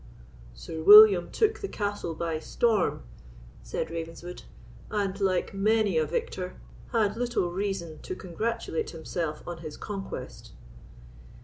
"Sir William took the castle by storm," said Ravenswood, "and, like many a victor, had little reason to congratulate himself on his conquest."